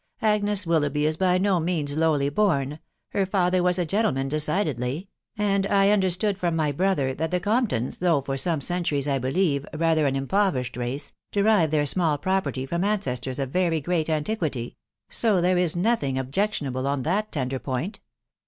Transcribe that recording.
Ague) Willoughby is by no means lowly born : her father was t gentleman decidedly ; and I understood from my brother that the Comptons, though for some centuries, I believe, rather aft impoverished race, derive their small property from anceston of very great antiquity ; so there is nothing objectionable on that tender point.